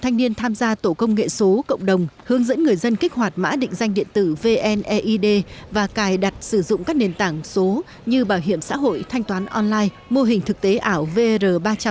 thanh niên tham gia tổ công nghệ số cộng đồng hướng dẫn người dân kích hoạt mã định danh điện tử vneid và cài đặt sử dụng các nền tảng số như bảo hiểm xã hội thanh toán online mô hình thực tế ảo vr ba trăm linh